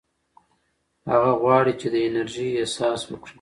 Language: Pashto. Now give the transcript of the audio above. هغه غواړي چې د انرژۍ احساس وکړي.